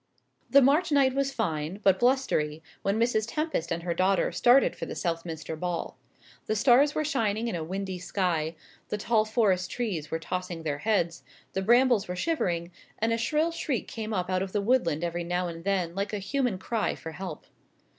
The March night was fine, but blustery, when Mrs. Tempest and her daughter started for the Southminster ball. The stars were shining in a windy sky, the tall forest trees were tossing their heads, the brambles were shivering, and a shrill shriek came up out of the woodland every now and then like a human cry for help.